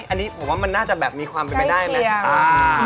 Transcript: อันนี้ผมว่ามันน่าจะแบบมีความใกล้เคียง